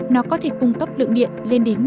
nó có thể cung cấp lượng điện lên đến một mươi hai v